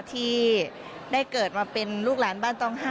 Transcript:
ที่ได้เกิดมาเป็นลูกหลานบ้านต้อง๕